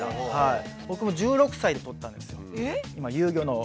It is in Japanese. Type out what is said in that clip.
僕１６歳で取ったんですよ。